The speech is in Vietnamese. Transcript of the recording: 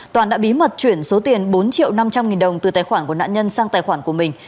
toàn đã bí mật chuyển số tiền bốn triệu năm trăm linh nghìn đồng từ tài khoản của nạn nhân sang tài khoản của mình